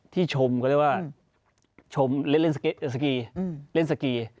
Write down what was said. ที่ชมก็เรียกว่าชมเล่นสกี